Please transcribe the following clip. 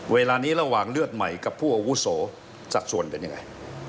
เวลานี้ระหว่างเลือดใหม่กับผู้อาวุโสสัดส่วนเป็นยังไง